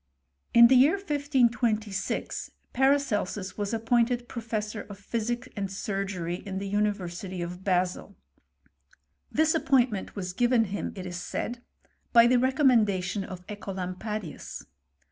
In the year 1526 Paracelsus was appointed pro fessor of physic and surgery in the University of Basil. This appointment was given him, it is said, by the recommendation of (Ecolampadius.